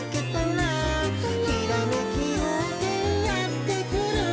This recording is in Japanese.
「ひらめきようせいやってくる」